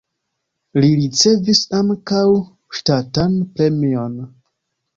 Li ricevis ankaŭ ŝtatan premion.